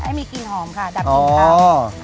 ให้มีกลิ่นหอมค่ะดับกลิ่นค่ะ